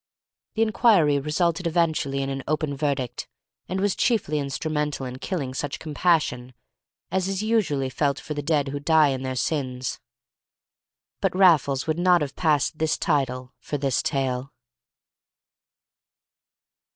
The inquiry resulted eventually in an open verdict, and was chiefly instrumental in killing such compassion as is usually felt for the dead who die in their sins. But Raffles would not have passed this title for this tale.